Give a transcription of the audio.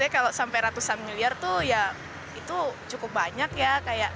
kalau sampai ratusan miliar itu cukup banyak ya